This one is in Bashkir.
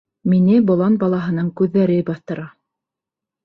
— «Мине болан балаһының күҙҙәре баҫтыра».